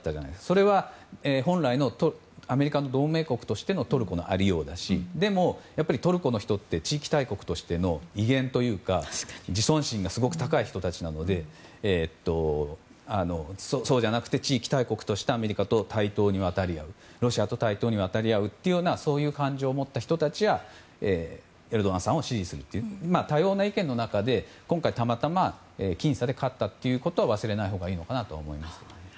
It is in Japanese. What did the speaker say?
それは本来のアメリカの同盟国としてのトルコのありようだしでも、トルコの人って地域大国としての威厳というか自尊心がすごく高い人たちなのでそうじゃなくて地域大国としてアメリカやロシアと対等に渡り合うという感情を持った人たちがエルドアンさんを支持するという多様な意見の中で今回はたまたま僅差で勝ったということは忘れないほうがいいのかなと思います。